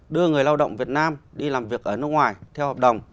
đưa người lao động việt nam đi làm việc ở nước ngoài theo hợp đồng